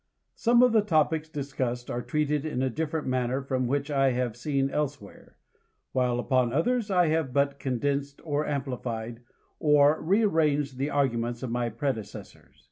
Some of the topics discussed aie treated in a different manner from what I have seen elsewhere, while upon others I have but condensed or amplified, or rearranged the ar guments of my predecessors.